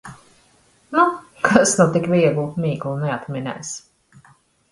Nu, kas nu tik vieglu mīklu neatminēs!